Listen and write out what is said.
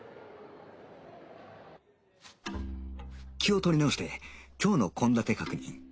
気を取り直して今日の献立確認